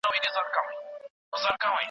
سپین بولدک د سوداګرۍ مهمه دروازه ده.